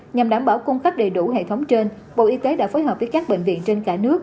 nhằm đảm bảo cung cấp đầy đủ hệ thống trên bộ y tế đã phối hợp với các bệnh viện trên cả nước